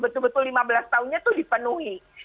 betul betul lima belas tahunnya itu dipenuhi